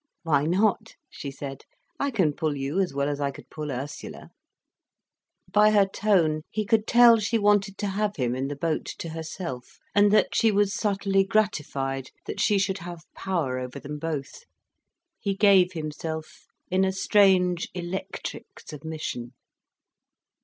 "Why not?" she said. "I can pull you as well as I could pull Ursula." By her tone he could tell she wanted to have him in the boat to herself, and that she was subtly gratified that she should have power over them both. He gave himself, in a strange, electric submission.